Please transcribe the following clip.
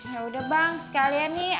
yaudah bang sekalian nih